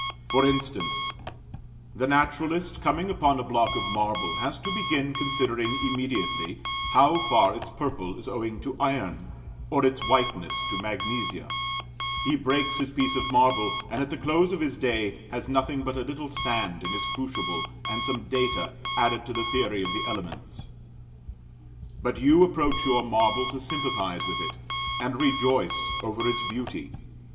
For instance, the naturalist coming upon a block of marble, has to begin considering immediately how far its purple is owing to iron, or its whiteness to magnesia; he breaks his piece of marble, and at the close of his day, has nothing but a little sand in his crucible and some data added to the theory of the elements. But you approach your marble to sympathize with it, and rejoice over its beauty.